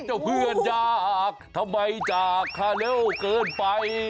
เจ้าเพื่อนยากทำไมจากค่าเร็วเกินไป